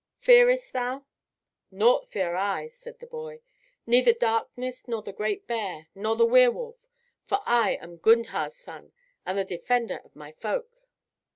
Fearest thou?" "Naught fear I," said the boy, "neither darkness, nor the great bear, nor the were wolf. For I am Gundhar's son, and the defender of my folk."